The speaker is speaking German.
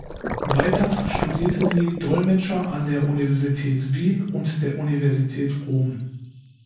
Weiters studierte sie Dolmetscher an der Universität Wien und der Universität Rom.